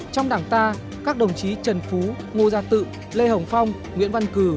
trong đảng ta các đồng chí trần phú ngô gia tự lê hồng phong nguyễn văn cử